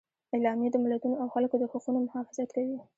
اعلامیه د ملتونو او خلکو د حقونو محافظت کوي.